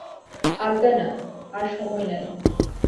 আজ্ঞা না, আর সময় নাই।